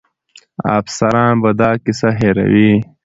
افسران به دا کیسه هېروي.